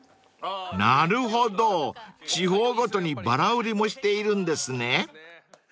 ［なるほど地方ごとにバラ売りもしているんですね］